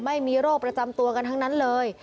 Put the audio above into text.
ไม่มีโรคประจำตัวกันทั้งนั้นเลย